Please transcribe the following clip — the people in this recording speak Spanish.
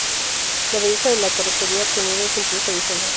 La belleza de la carrocería obtenida es un plus adicional.